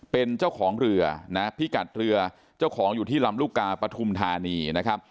เป็นเจ้าของเรือนะพิกัดเรือเจ้าของอยู่ที่ลำลูกกาปฐุมธานีนะครับ